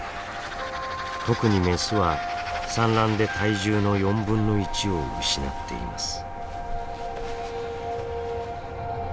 特にメスは産卵で体重の４分の１を失っています。